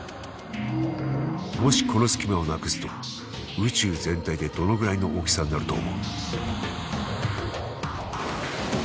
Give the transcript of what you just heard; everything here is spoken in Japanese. もしこの隙間をなくすと宇宙全体でどのぐらいの大きさになると思う？